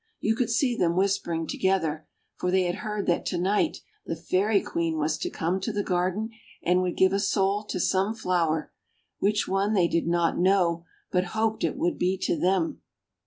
You could see them whispering together, for they had heard that to night the Fairy Queen was to come to the garden and would give a soul to some flower; which one they did not know but hoped it would be to them.